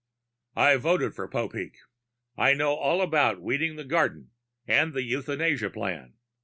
"I voted for Popeek. I know all about Weeding the Garden and the Euthanasia Plan.